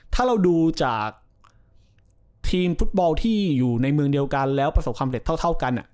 ถ้าเราดูจากทีมฟุตบอลที่อยู่ในเมืองเดียวกันแล้วประสบความเร็จเท่ากัน